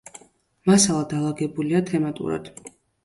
მასალა დალაგებულია თემატურად.